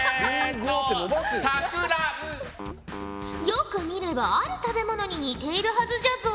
よく見ればある食べ物に似ているはずじゃぞ！